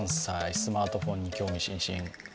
スマートフォンに興味津々。